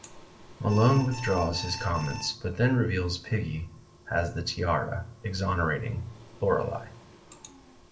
Malone withdraws his comments, but then reveals Piggy has the tiara, exonerating Lorelei.